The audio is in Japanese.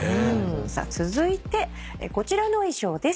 続いてこちらの衣装です。